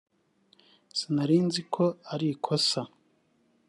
sinari nzi ko ari ikosa